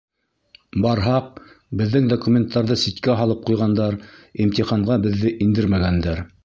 Барһаҡ, беҙҙең документтарҙы ситкә һалып ҡуйғандар, имтиханға беҙҙе индермәгәндәр.